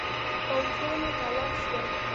پوځیان یې تلف شول.